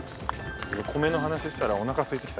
米の話したらお腹空いてきた。